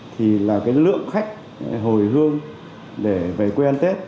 thì là cái lượng khách hồi hương để về quê ăn tết